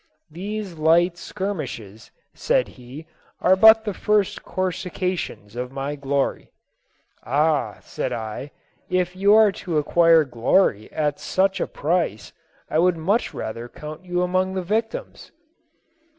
' These light skirmishes,' said he, ' are but the first coruscations of my glory.' " 'Ah,' said I, ' if you are to acquire glory at such a price, I would much rather count you among the victims.'